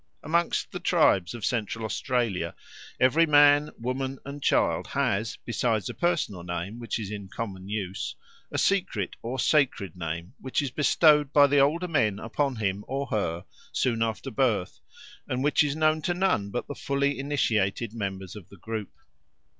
Amongst the tribes of Central Australia every man, woman, and child has, besides a personal name which is in common use, a secret or sacred name which is bestowed by the older men upon him or her soon after birth, and which is known to none but the fully initiated members of the group.